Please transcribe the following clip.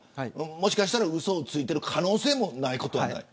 もしかしたら、うそついている可能性もないことはない。